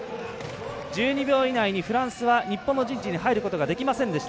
１２秒以内にフランスは日本の陣地に入ることができませんでした。